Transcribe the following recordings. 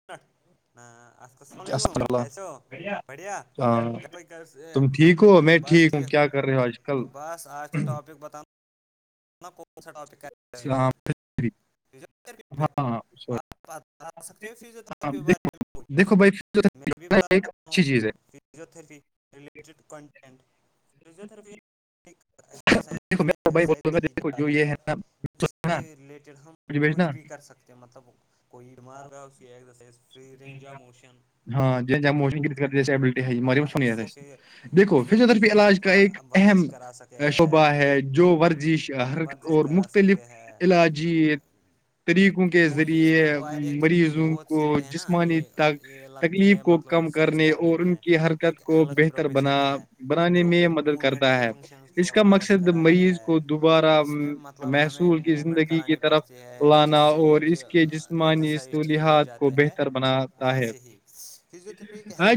[inaudible] [unintelligible] السلام علیکم کیس ہو بڑھیا بس ٹھیک بس آج تو ٹاپک بتان میں کون سا ٹاپک [unintelligible] اللام عل ہاںاں [unintelligible] آپ ب سکتے ہو ف بارے میں بھی بتا سکتا ہوں [unintelligible] فزیوتھرپی رلیٹڈ کانٹینٹ [unintelligible] فزیوتراپی [unintelligible] جاتی ہے اس کے ریلیٹڈ ہم کچھ بھی کر [unintelligible] سکتے مطلب کوئی بیمار ہو ف رینج آف مون ہاں ج س دیکھو فزیوتھرپی علاج کا ایک اہم شعبہ ہے جو ورزش ہر اور مختلف علاجی [unintelligible] طریقوں کے ذریعے مریضوں کو جس انی تک تکلیف کو کم کرنے اور ان کی حرکت کو بہتر بنا بنانے میں مدد کرتا ہے اس کا مقصد مریض کو د دوبارہ محسول کی زندگی کی طرف لانا اور اس کے جس جسمانی سصولیاات کو بہتر بناتا ہے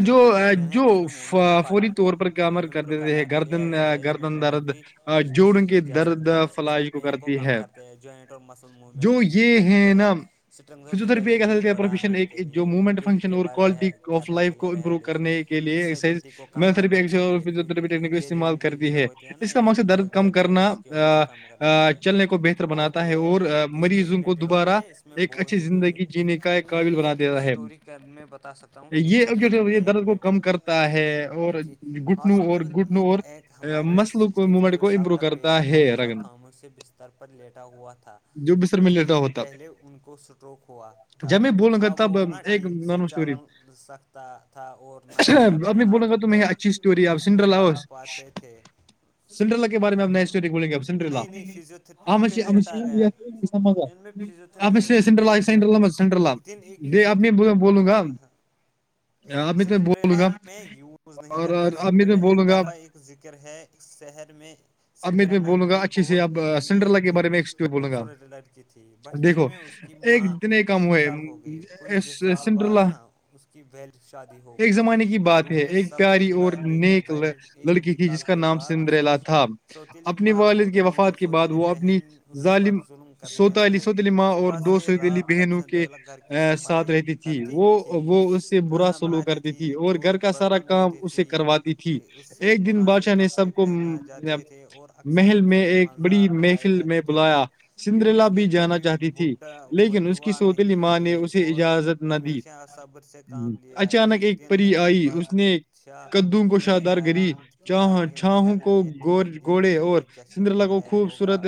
جو جو فوری طور پر کامر کر دتے ہیں گردن گردن درد ا جوڑنے کے جا سکتی ہے اس میں پین کو کم کرتے ہیں جوائنٹ اور مسل موومنٹ امپروو کرتے ہیں اسٹرگ اور فلیکیبلٹی بڑھ پروفیشن ایک جو مومنٹ فنکشن اور کوالٹی آف لائف کو امپرو کر کے لی ایکرسائز استعمال کرتی ہے اس کا مقصد درد کم کرنا چلنے کو بہتر بناتا ہے اور مریضوں کو دوبارہ ایک اچھی زندگی جینے کا ایک قابل بناتا رہا ہے یہ ار یہ درد کو کم کرتا ہے اور گھٹنوں اور گھٹنوں اور مسلوں کو مومنٹ کو امپروو کرتا ہے احمز خموں سے بستر پر لیٹا ہوا تھا کچھ دن پہلے ان کو سٹروک ہوا جب میں بولوں گتی وہ نہ ٹھیک سے چل سکتا تھا اور نہ ہی اپنے ہاتھوں پر اسٹوری آپ سنڈرل آؤس سنڈرل کے بارے میں آپ نئے اسٹور کولی ابن ش ش س ایک دن ایک فضیت ہاں ہاں سنڈریلا میں یوز نہیں کرتا سنڈریلا ایک دفعہ ایک ذکر ہے شہر میں سنڈرییا نام کی بہت ایک نیک دل خوبصورت لڑکی تھی دیکھو ایک دن کم ہوئے کچھ د سال بعد نا اس کی ول شادی ہو گئی شروع تھے ایک پیاری اور نیک لڑکی تھی جس کا نام سندریلا تھا سوتیلی ماں اور دونوں سوتیل بہن اس پر ظلم کر سوتا علی سوت علی ماں اور دو سوت علی بہنوں کے ساتھ رہتی تھی وہ وہ اس سے برا سلوک کرتی تھی اور گھر کا سارا کام اسے کرواتے تھی ایک دن بادشاہ نے سب کو تھے اور اکثر اس کے مذاق اڑائے جاتے تھے پھر بھی اس نے کبھی بڈ ت بدوا نہیں اور ہمیشہ اصبر سے کام لیا ایک دن بعد شاہ نے اعلان کیا کہ محل میں تین کے جشن ہوگا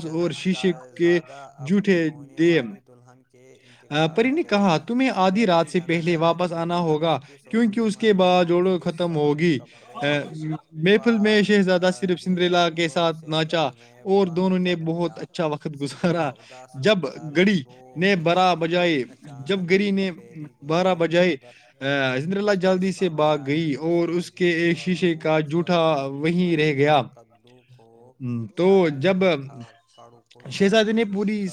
جہاں شہزادہ اپنی ہونے والی تو دلہن کے انتخاب کرے گا سنڈریلا بھی جانا چاہتی تھی مگر اس کی کیونکہ اس کے بع اوڑو ختم ہوگی مفل میں شہزادہ صرف سندریلا کے ساتھ ناچا اور دونوں نے بہت اچھا وقت گزارا داس ہو کر رو نے برا بجائے جب گری نے بارا بجائے حضرلہ جلدی سے سے بھا گئی اور اس کے ایک شیشے کا جوٹا وہیں رہ گیا و کو شی کڑو کو شادی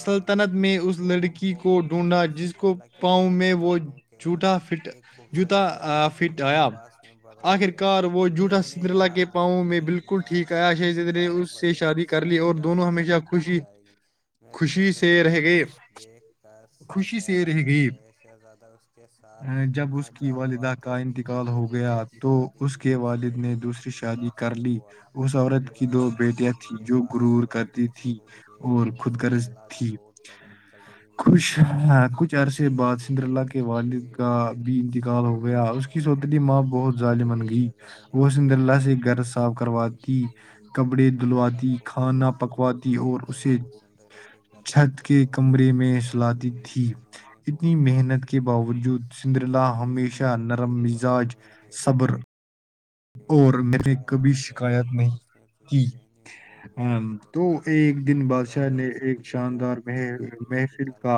سلطنت میں اس لڑکی کو ڈھونڈا جس کو پاؤں میں وہ جٹ جوتا ایک لباس میں بدل گیا پیری نے یاد رکھنے کی بالکل ٹھیک آیا ش نے اس سے شادی کر لی اور دونوں ہمیشہ خوشی خوشی سے رہ گئے سب حیران گئے سے زیادہ اس کے ساتھ نہ چاہ والدہ کا انتقال ہو گیا تو اس کے والد نے دوسری شادی کر لی اس اس عورت کی دو بیٹیاں تھیں جو رور کرتی تھھی اور خودکرش تھی پڑی جلدی میں اس کی ایک شیسے کی ٹوٹی کا بھی انتقال ہو گیا اس کی سوتلی ماں بہت ظالمن گئی وہحسن اللہ سے گھر صاف کروا دی کپڑے دھلواتی کھانا پکواتی اور اسے چھت کے کمرے میں لاتی تھی اتنی محنت کے باوجود سندرلا ہمیشہ نرم مزاج نہیں اور میں نے کبھی شکایت نہیں کی ا تو ایک دن بادشاہ نے ایک شاندار مح محفل کا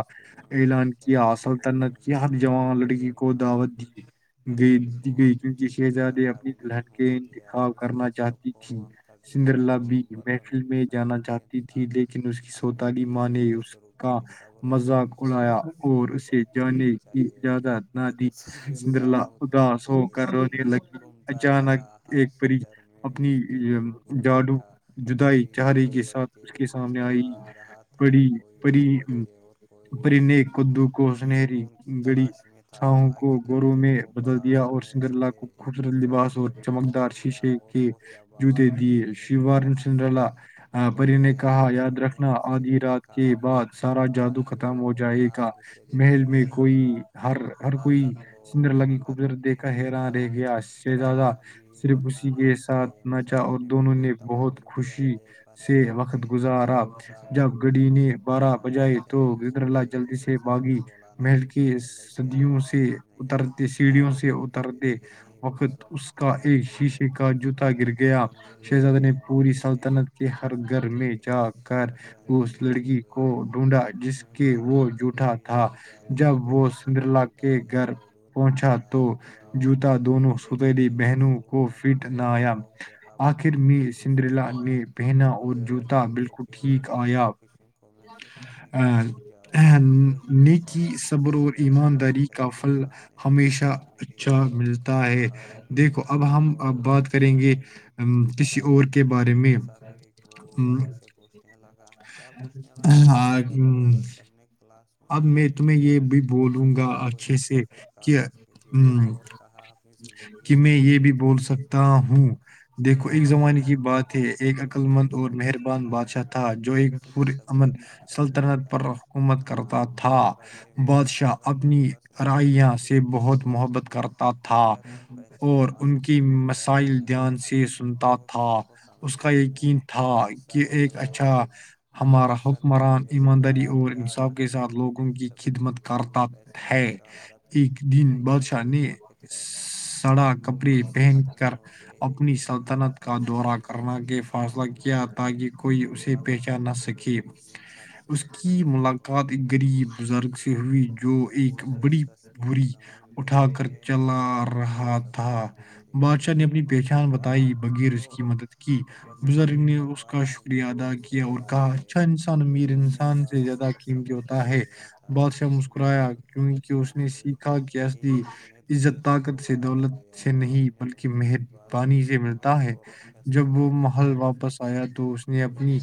اعلان کیا اصلطنت کیا ہر جاں لڑکی کو دعوت دی گئی گئی چونکہ شزاد دلہن کے انتخاب کرنا چاہتی تھھی سندرلا بھی محفل میں جانا چاہتی تھی لیکن اس کی سوتالی ماں نے اس کا مذاق اڑایا سے کیا کہنا چاہیے ایک مصر سالوں تک دنیا گھومتا رہا ہر شہر میں اس نے لوگوں کو دیکھا کوئی دولت کے پیچھے بھاگ رہا تھا کوئی محبت کے اور کوئی صرف سکون کے کی تلاش میں تھا آخر ایک دن وہ پہاڑوں میں رہتے خوبصورت لباس اور چمکدار شیشے کے جوتے دیے شیوار چندرا پری نے کہا یاد رکھنا آدھی رات کے بعد سارا جادو ختم ہو جائے گا محل میں کوئی ہر ہر کوئی سندر لگی خوبصورت دیکھا حیراں رہ گیا سے زیادہ صرف اسی کے ساتھ نچا اور دونوں نے بہت خوشی سے وقت گزارا جب گڑی نے بارہ بجائی تو گرلا جلدی سے باگی نہیں پرندے کی آواز سنی نہیں پہاڑوں کی خوبصورت د ہی وقت اس کا ایک شیشے کا جوتا گر گیا شہزاد نے پوری سلطنت کے ہر گھر میں جا کر اس لڑکی کو ڈھونڈا جس کے وہ جوٹھا اسی پیالے کی طرح ہے زم داریہ زلون کا اپنےا دونوں سوتلی بہنوں کو فٹ نہ آیا آخر میں سندریلا نے قدرت کی خوبصورتی اور چھوٹی چھوٹی خوشیوں کو محسوس کرنے کے بھول جاتی ا نیکی صبر اور ایمانداری کا پھل ہمیشہ اچھا ملتا ہے دیکھو اب ہم ا بات کریں گے ا کسی اور کے بارے میں وہ بزرگ سے پوچھنے لگا کیا پوچھنے لگا بزرگ پروفیسر نے کلاس آتے ہی ہر اسٹوڈنٹ کو ایک سفید کاغذ دیا اور کہا زندگی کے سب سے چیمتی چز کے نام بائسا میں محب تھے ایک عقللمند اور مہربان بادشاہ تھا جو ایک پورے امن سلطنت پر حکومت کرتا تھا بادشاہ اپنی رائیاں سے بہت محبت کرتا تھا تھا اور ان کے مسائل دھیان سے سنتا تھا اس کا یقین تھا کہ ایک اچھا ہمارا حکمران ایمانداری اور کے ساتھ لوگوں کی خدمت کرتا ہے ایک دن بادشاہ نے ہے سڑا کپڑے پہنک کر اپنی سلطنت کا دورہ کرنا کے فیصلہ کیا تاکہ کوئی اسے پہچان نہ سکے اس کی ملاقت بات ایک غریب بزرگ سے ہوئی جو ایک بڑی بی اٹھا کر چل لا رہا تھا بادشاہ نے اپنی پہچان بتائی بغیر اس کی مدد کی کی بزرگ نے اس کا شکریہ ادا کیا اور کہا اچھا انسان امیر انسان سے زیادہ جو ہوتا ہے بادشاہ مسکرایا کیونکہ اس نے سیکھا گس دی عزت طاقت سے دولت سے نہیں بلکہ مہربانی سے ملتا ہے جب وہ محل واپس آیا تو اس نے اپنی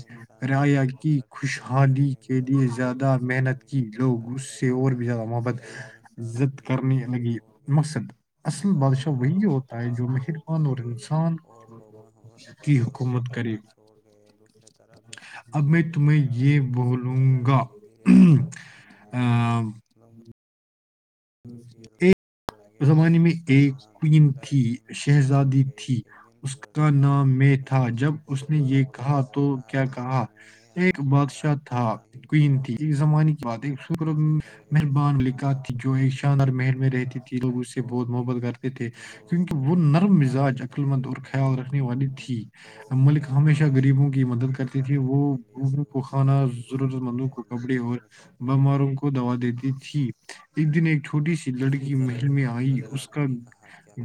ریا کی خوشحالی کے لیے زیادہ محنت کی لوگ اس سے اور بھی زیادہ محبت ضد کرنے لگی مقصد اس کا کاروبار تباہ ہو جائے اور لوگوں اس پر بھروسہ کرنا شروع چھوڑ گئے اور دوسرری طرف جس نے سفر کیا تھا اس کی سچائی دی گئی سب کے سامنے آگے لگ ج لگے اور اس کا نام ایمانداری کی مثال بن گئی ایک دن اس کا نام میں تھا جب اس نے یہ کہا تو کیا کہا ایک بادشاہ تھاین تھی اس زمانے کی بات مہربان لکھ تھی جو ایک شانر مہل میں رہتی تھی لوگ اس سے بہت محبت کرتے تھے کیونکہ وہ نرم مزاج ک مند اور خیال رکھنے والی تھی ملک ہمیشہ غریبوں کی مدد کرتی تھی وہ ووں کو کھانا ضرورت مندوں کو کپڑے اور بماروں کو دوا دیتی تھی ایک دن ایک چھوٹی سی لڑکی محل میں آئی اس کا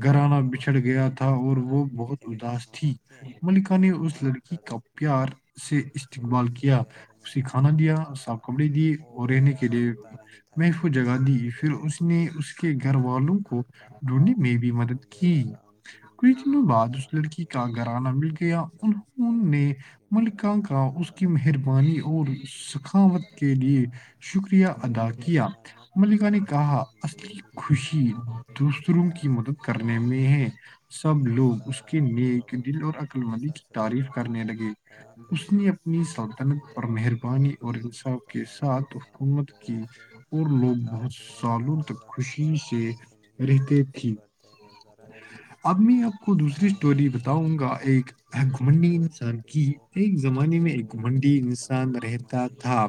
گھرانا بچھڑ گیا تھا اور وہ بہت اداس تھی ملکا نے اس لڑکی کا پیار سے استقبال کیا اس کھانا دیا صاف کپڑے دیے اور رہنے کے لیے محف کو جگہ دی پھر اس نے نے اس کے گھر والوں کو ڈھونڈنے میں بھی مدد کی کچھ دنوں بعد اس لڑکی کا گھرانہ مل گیا ان نے ملکا کا کی مہربانی اور سخاوت کے لیے شکریہ ادا کیا ملکا نے کہا اصلی خوشی دوسروں کی مدد کرنے میں ہے سب لوگ اس کے نیک دل اور عقل مند تعریف کرنے لگے اس نے اپنی سلطنت پر مہربانی اور انصاف کے ساتھ حکومت کی اور نہیں کہ ہر زخم بات کرنے سے نہیں لوگ پے بیٹھتے ہیں ذرا بھی اس اب میں آپ کو دوسری اسٹوری بتاؤں گا ایککمنی انسان کی ایک زمانے میں ایک منڈی انسان رہتا تھا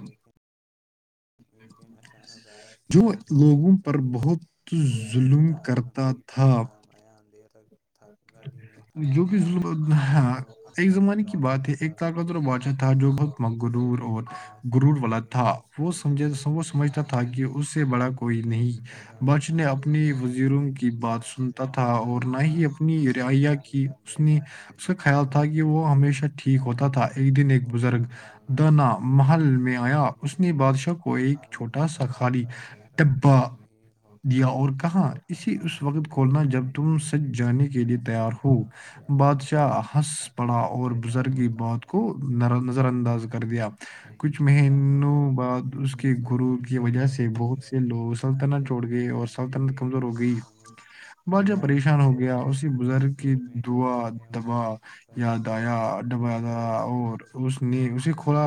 ایک دن اچانک زارا شہر چھوڑ کر چل گئی کوئی الودوداع میں کوئی پ کا دیر تک تھا گلی میں کھڑا رہا جہاں وہ اکثر مسکرات تھے ایک طاقتر بادشاہ تھا جو بہت مگرور اور گرور والا تھا وہ سب وہ سمجھتا تھا کہ اس سے بڑا کوئی نہیں بچ نے اپنے وزیروں کی بات سن سنتا تھا اورور نہ ہی ا اپنی رعائیہ کی اسنی اس کا خیال تھا کہ وہ ہمیشہ ٹھیک ہوتا تھا ایک دن ایک بزرگ دانا محل میں آیا اس نے بادشاہ کو ایک ہر مسکراتا چہرہ خوش نہیں ہوتا کہاں اسی اس وقت کھولنا جب تم سچ جان کے کے لئے تیار ہ بادشاہ ہنس پڑا اور بزرگی بات کو کو نظر انداز کر دیا کچھ مہینوں بعد اس کہ گرو کی وجہ سے بہت سے لوگ سلطنت چھوڑ گئے اور سلطنت کمزور ہو گئی بہت ج پریشان ہو گیا بزرگ کی دعا دبا یا دایا ڈباا اور اس نے اسے کھلا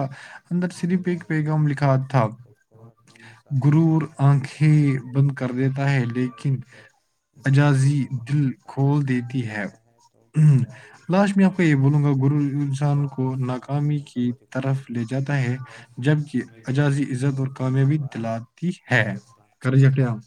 اندر صرف ایک پیغام لکھا تھا کو اپنے سارے بنا لیا اور پھر اس نے محسوس کیا کہ جب اجازی دل کھول دیتی ہے لاسٹ میں آپ کو یہ بولوں گا گرو انسان کو ناکامی کی طرف لے جاتا ہے جبکہ اجازی اس اور کامیابی دلاتی ہے کری آپ